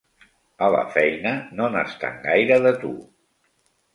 A la feina no n'estan gaire, de tu.